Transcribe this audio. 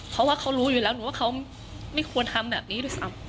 เพราะว่าเขารู้อยู่แล้วหนูว่าเขาไม่ควรทำแบบนี้ด้วยซ้ำ